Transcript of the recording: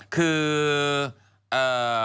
คือเอ่อ